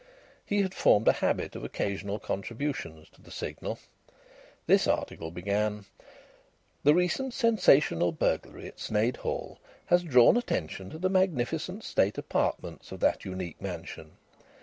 He had formed a habit of occasional contributions to the Signal. This article began: "The recent sensational burglary at Sneyd Hall has drawn attention to the magnificent state apartments of that unique mansion.